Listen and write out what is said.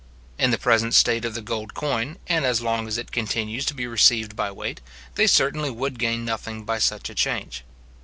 In the present state of the gold coin, and as long as it continues to be received by weight, they certainly would gain nothing by such a change.